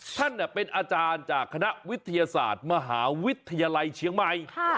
ท่านเป็นอาจารย์จากคณะวิทยาศาสตร์มหาวิทยาลัยเชียงใหม่